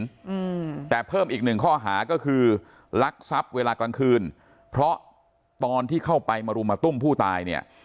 อืมแต่เพิ่มอีกหนึ่งข้อหาก็คือลักทรัพย์เวลากลางคืนเพราะตอนที่เข้าไปมารุมมาตุ้มผู้ตายเนี่ย